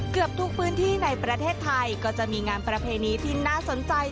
เกือบทุกพื้นที่ในประเทศไทยก็จะมีงานประเพณีที่น่าสนใจ